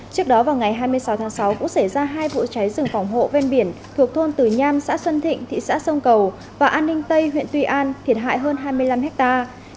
trước đó vào ngày hai mươi sáu tháng sáu cũng xảy ra hai vụ cháy rừng phòng hộ ven biển thuộc thôn từ nham xã xuân thịnh thị xã sông cầu và an ninh tây huyện tuy an thiệt hại hơn hai mươi năm hectare